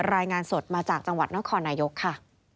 รายงานสดมาจากจังหวัดนครนายกค่ะ